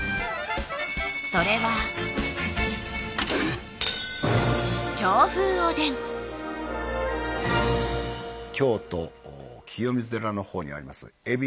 それは京都清水寺の方にありますゑび